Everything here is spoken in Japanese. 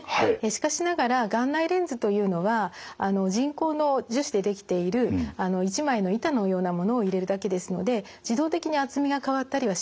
しかしながら眼内レンズというのは人工の樹脂で出来ている一枚の板のようなものを入れるだけですので自動的に厚みが変わったりはしません。